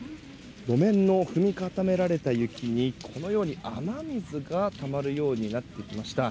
路面の踏み固められた雪に雨水がたまるようになってきました。